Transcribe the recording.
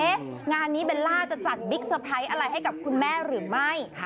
งานนี้เบลล่าจะจัดบิ๊กเซอร์ไพรส์อะไรให้กับคุณแม่หรือไม่